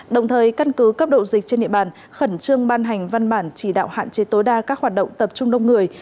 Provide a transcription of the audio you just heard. đồng thời căn cứ cấp độ dịch trên địa bàn khẩn trương ban hành văn bản chỉ đạo hạn chế tối đa các hoạt động tập trung đông người